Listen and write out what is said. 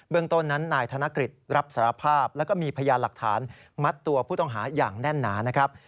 ต้นนั้นนายธนกฤษรับสารภาพแล้วก็มีพยานหลักฐานมัดตัวผู้ต้องหาอย่างแน่นหนานะครับ